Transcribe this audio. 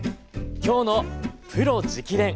今日の「プロ直伝！」